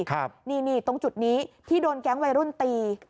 ครับนี่ตรงจุดนี้ที่โดนแก๊งวัยรุ่นตี